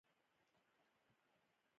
وسله د جنګ دوام ده